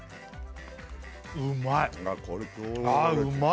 うまい